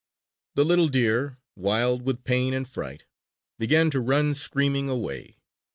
The little deer, wild with pain and fright, began to run screaming away.